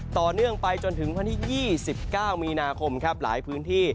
ต่อเนื่องไปจนถึงวันที่๒๙มีนาคมครับหลายพื้นที่